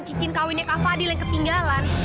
cicin kawinnya kak fadil yang ketinggalan